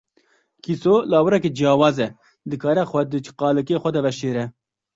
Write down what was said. Kîso, lawirekî ciyawaz e, dikare xwe di qalikê xwe de veşêre.